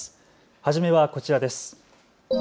初めはこちらです。